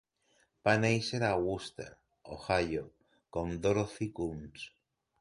Va néixer a Wooster, Ohio, com Dorothy Kuhns.